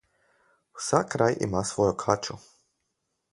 Vsak raj ima svojo kačo.